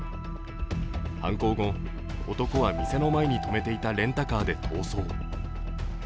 犯行後、男は店の前に止めていたレンタカーで逃走。